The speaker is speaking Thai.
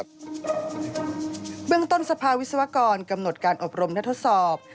เบื้องต้นสภาวิศวกรกำหนดการอบรมและทดสอบ